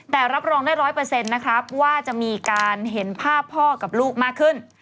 แต่รับรองได้๑๐๐นะครับว่าจะมีการเห็นภาพพ่อกับลูกมากขึ้น